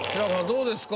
どうですか？